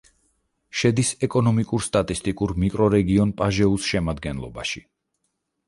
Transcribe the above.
შედის ეკონომიკურ-სტატისტიკურ მიკრორეგიონ პაჟეუს შემადგენლობაში.